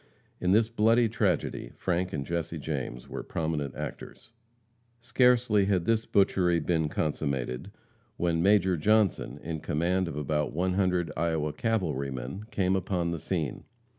In this bloody tragedy, Frank and Jesse James were prominent actors. Scarcely had this butchery been consummated, when Major Johnson, in command of about 100 Iowa cavalrymen, came upon the scene.